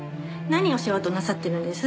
何をしようとなさってるんです？